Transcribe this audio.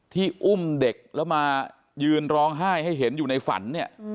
อุ้มเด็กแล้วมายืนร้องไห้ให้เห็นอยู่ในฝันเนี่ย